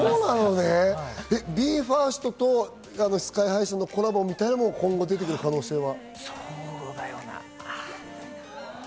ＢＥ：ＦＩＲＳＴとＳＫＹ−ＨＩさんのコラボみたいなのも今後、出てくる可能性は？